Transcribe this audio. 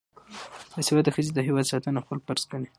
باسواده ښځې د هیواد ساتنه خپل فرض ګڼي.